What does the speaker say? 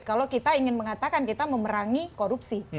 kalau kita ingin mengatakan kita memerangi korupsi